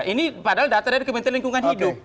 ini padahal data dari kementerian lingkungan hidup